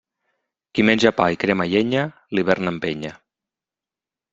Qui menja pa i crema llenya, l'hivern empenya.